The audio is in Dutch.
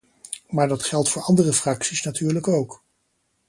Maar dat geldt voor andere fracties natuurlijk ook.